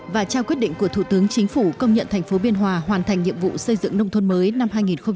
và trao quyết định của thủ tướng chính phủ công nhận thành phố biên hòa hoàn thành nhiệm vụ xây dựng nông thôn mới năm hai nghìn một mươi tám